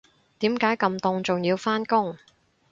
點解咁凍仲要返工